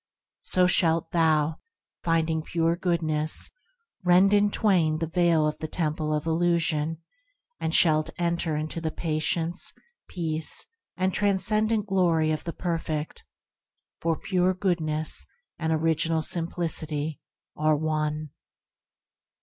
So shalt thou, finding Pure Goodness, rend in twain the Veil of the Temple of Illusion, and shalt enter into the Patience, Peace, and tran scendent Glory of the Perfect; for Pure Goodness and Original Simplicity are one.